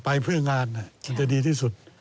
ไปเพื่องานจะดีที่สุด